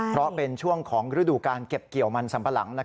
เพราะเป็นช่วงของฤดูการเก็บเกี่ยวมันสัมปะหลัง